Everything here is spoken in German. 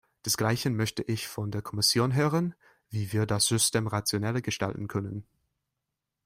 Desgleichen möchte ich von der Kommission hören, wie wir das System rationeller gestalten können.